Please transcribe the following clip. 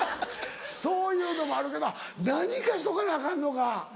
そういうのもあるけどあっ何かしとかなアカンのか。